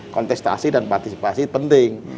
kontestasi dan partisipasi penting